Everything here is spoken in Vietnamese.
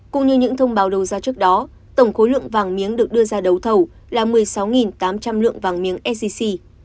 cũng như những thông báo đầu ra trước đó tổng khối lượng vàng miếng được đưa ra đấu thầu là một mươi sáu tám trăm linh lượng vàng miếng sgc